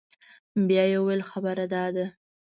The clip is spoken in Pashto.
بيا يې وويل خبره دا ده.